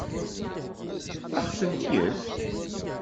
Ad ɣ-tent-yefk?